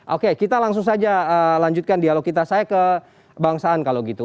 oke kita langsung saja lanjutkan dialog kita saya ke bang saan kalau gitu